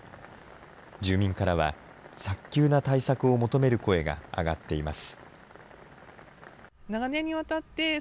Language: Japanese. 住民からは早急に対策を求める声が上がっています。